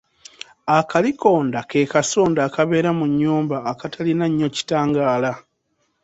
Akalikonda ke kasonda akabeera mu nnyumba akatalina nnyo kitangaala.